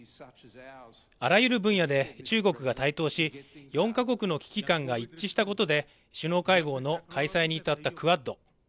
あらゆる分野で中国が台頭し、４カ国の危機感が一致したことで首脳会合の開催に至ったクアッド。